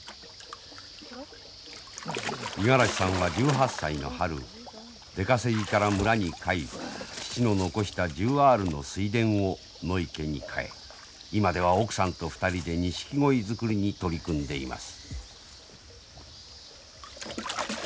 五十嵐さんは１８歳の春出稼ぎから村に帰り父の残した１０アールの水田を野池に変え今では奥さんと２人でニシキゴイ作りに取り組んでいます。